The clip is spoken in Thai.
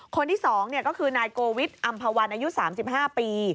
คนที่๒ก็คือนายโกวิทอำภาวันอายุ๓๕ปี